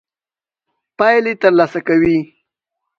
پايلې تر لاسه کوي.